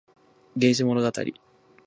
源氏物語